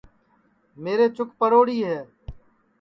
میرے چُک پڑوڑی ہے